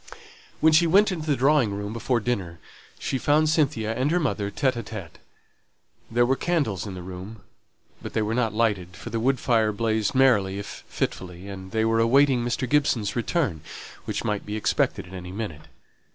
When she went into the drawing room before dinner, she found Cynthia and her mother by themselves. There were candles in the room, but they were not lighted, for the wood fire blazed merrily if fitfully, and they were awaiting Mr. Gibson's return, which might be expected at any minute.